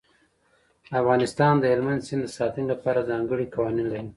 افغانستان د هلمند سیند د ساتنې لپاره ځانګړي قوانین لري.